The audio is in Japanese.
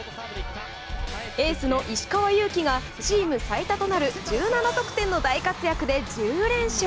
エースの石川祐希がチーム最多となる１７得点の大活躍で、１０連勝。